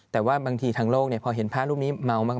แต่ว่าบางทีทางโลกพอเห็นพระรูปนี้เมามาก